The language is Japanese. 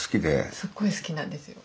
すっごい好きなんですよ。